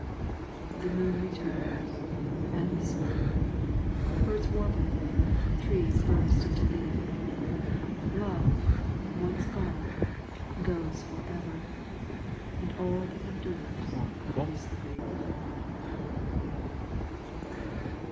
The moon returns, and the spring; birds warble, trees burst into leaf; But Love, once gone, goes for ever, and all that endures is the grief.